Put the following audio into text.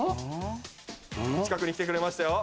近くに来てくれましたよ。